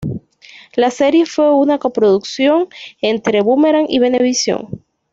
La serie fue una co-producción entre Boomerang y Venevisión.